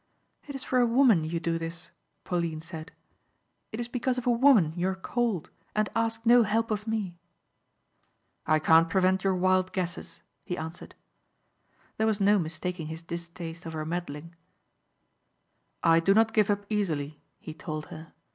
"It is for a woman you do this," Pauline said. "It is because of a woman you are cold and ask no help of me." "I can't prevent your wild guesses," he answered. There was no mistaking his distaste of her meddling. "I do not give up easily," he told her.